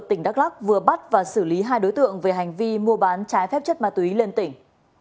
tỉnh đắk lắc vừa bắt và xử lý hai đối tượng về hành vi mua bán trái phép chất ma túy lên tỉnh